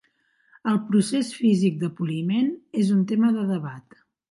El procés físic de poliment és un tema de debat.